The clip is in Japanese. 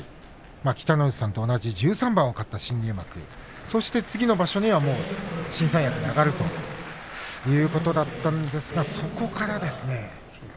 北の富士さんと同じ１３番勝った新入幕そして次の場所にはもう新三役に上がるということだったんですがそこからですね。